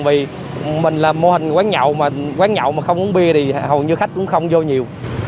vì mình làm mô hình quán nhậu mà quán nhậu mà không uống bia thì hầu như khách cũng không vô nhiều